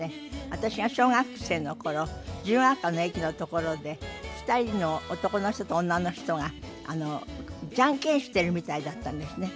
私が小学生の頃自由が丘の駅のところで２人の男の人と女の人がジャンケンしているみたいだったんですね。